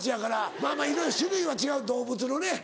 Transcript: まぁまぁいろいろ種類は違う動物のね。